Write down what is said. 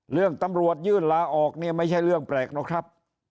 เรื่องตำรวจยื่นลาออกเนี่ยไม่ใช่เรื่องแปลกหรอกครับ